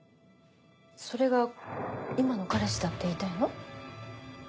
それが今の彼氏だって言いたいの？